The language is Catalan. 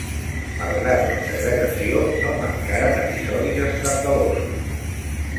Malgrat la segregació, no mancaren episodis escandalosos.